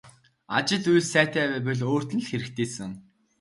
Ажил үйл сайтай байвал өөрт нь л хэрэгтэйсэн.